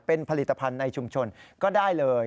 เป็นผลิตภัณฑ์ในชุมชนก็ได้เลย